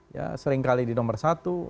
ya sering kali di nomor satu